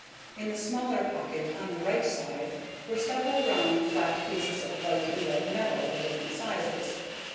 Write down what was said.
In the smaller pocket on the right side were several round flat pieces of white and red metal, of different sizes.